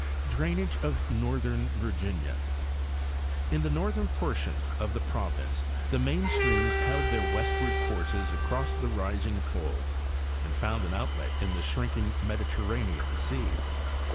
Drainage of northern Virginia—In the northern portion of the province the main streams held their westward courses across the rising folds and found an outlet in the shrinking mediter ranean sea.